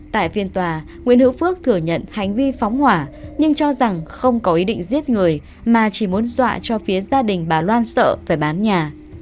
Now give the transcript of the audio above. tại phiên tòa nguyễn hữu phước thừa nhận hành vi phóng hỏa nhưng cho rằng không có ý định giết người mà chỉ muốn dọa cho phía gia đình bà loan sợ phải bán nhà